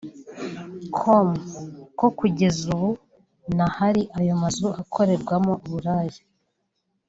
com ko kugeza ubu n'ahari ayo mazu akorerwamo uburaya